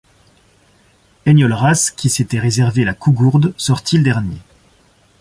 Enjolras, qui s’était réservé la Cougourde, sortit le dernier.